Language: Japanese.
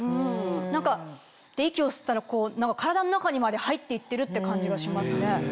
何か息を吸ったら体の中にまで入っていってるって感じがしますね。